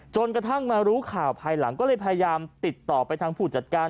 จนกระทั่งมารู้ข่าวภายหลังก็เลยพยายามติดต่อไปทางผู้จัดการ